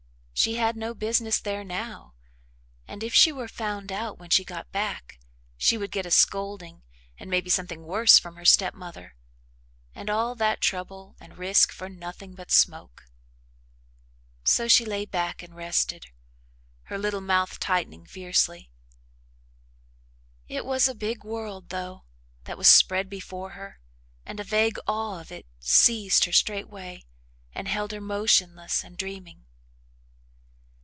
She had no business there now, and, if she were found out when she got back, she would get a scolding and maybe something worse from her step mother and all that trouble and risk for nothing but smoke. So, she lay back and rested her little mouth tightening fiercely. It was a big world, though, that was spread before her and a vague awe of it seized her straightway and held her motionless and dreaming.